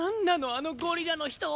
あのゴリラの人！